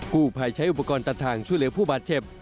ผู้ภัยใช้อุปกรณ์ตัดทางช่วยเหลือผู้บาดเจ็บ